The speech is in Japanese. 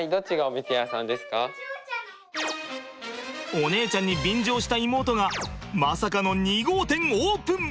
お姉ちゃんに便乗した妹がまさかの２号店オープン。